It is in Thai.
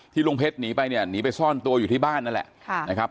ลุงเพชรหนีไปเนี่ยหนีไปซ่อนตัวอยู่ที่บ้านนั่นแหละนะครับ